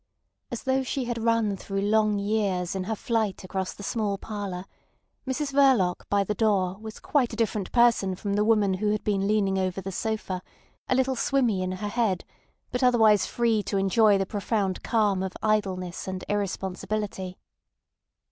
As though she had run through long years in her flight across the small parlour, Mrs Verloc by the door was quite a different person from the woman who had been leaning over the sofa, a little swimmy in her head, but otherwise free to enjoy the profound calm of idleness and irresponsibility.